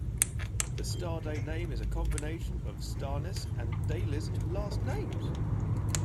The Starday name is a combination of Starnes' and Daily's last names.